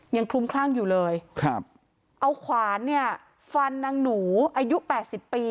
คลุมคลั่งอยู่เลยครับเอาขวานเนี่ยฟันนางหนูอายุแปดสิบปี